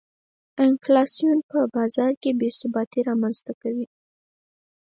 انفلاسیون په بازار کې بې ثباتي رامنځته کوي.